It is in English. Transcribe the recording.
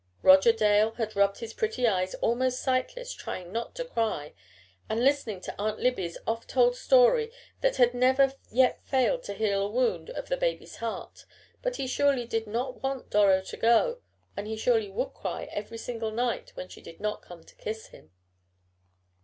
Roger Dale had rubbed his pretty eyes almost sightless trying not to cry and listening to Aunt Libby's oft told story that had never yet failed to heal a wound of the baby's heart, but he surely did not want Doro to go, and he surely would cry every single night when she did not come to kiss him.